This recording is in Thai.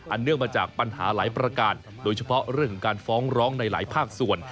เนื่องมาจากปัญหาหลายประการโดยเฉพาะเรื่องของการฟ้องร้องในหลายภาคส่วน